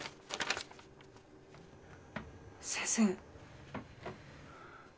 先生。